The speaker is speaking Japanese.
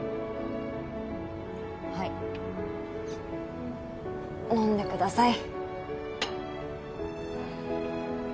はい飲んでください。